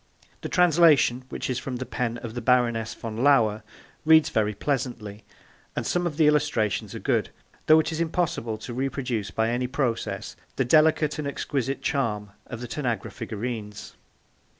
The translation, which is from the pen of the Baroness von Lauer, reads very pleasantly, and some of the illustrations are good, though it is impossible to reproduce by any process the delicate and exquisite charm of the Tanagra figurines.